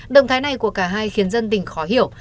động thái này của cả hai khiến dân tình khó hiểu